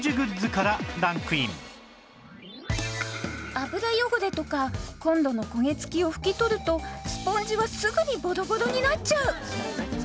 油汚れとかコンロの焦げつきを拭き取るとスポンジはすぐにボロボロになっちゃう